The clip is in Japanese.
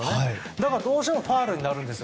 だから、どうしてもファウルになるんです。